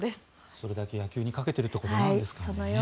それだけ野球にかけてるということなんですかね。